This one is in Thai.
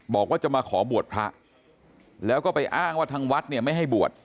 บอกว่าจะมาขอบวชพระแล้วก็ไปอ้างว่าทางวัดเนี่ยไม่ให้บวช